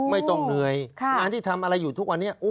ไม่ต้องเหนื่อยงานที่ทำอะไรอยู่ทุกวันนี้